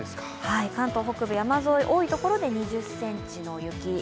関東北部山沿い、多いところで２０ｃｍの雪。